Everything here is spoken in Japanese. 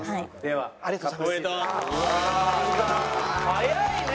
早いね！